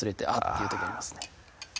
ていう時ありますね